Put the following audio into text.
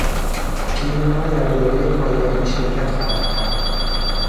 تیم ما در دورهی پایانی شرکت خواهدکرد.